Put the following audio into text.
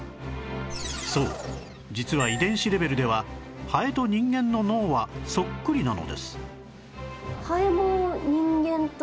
そう実は遺伝子レベルではハエと人間の脳はそっくりなのです